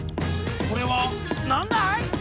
これはなんだい？